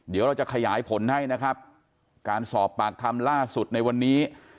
เดี๋ยวเราจะขยายผลให้นะครับการสอบปากคำล่าสุดในวันนี้